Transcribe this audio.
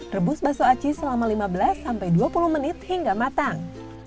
rebus bakso aci selama lima belas sampai dua puluh menit hingga matang